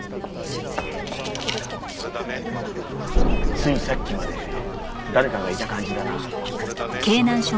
ついさっきまで誰かがいた感じだな。